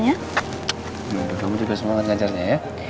ya udah kamu juga semangat ngajarnya ya